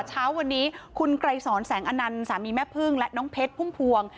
เช้าวันนี้คุณไกรสอนแสงอนันต์สามีแม่พึ่งและน้องเพชรพุ่มพวง